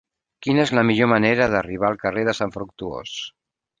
Quina és la millor manera d'arribar al carrer de Sant Fructuós?